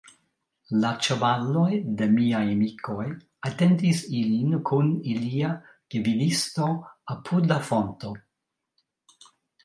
La ĉevaloj de miaj amikoj atendis ilin kun ilia gvidisto apud la fonto.